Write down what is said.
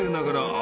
あ！